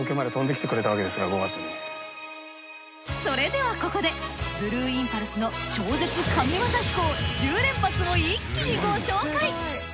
それではここでブルーインパルスの超絶神ワザ飛行１０連発を一気にご紹介！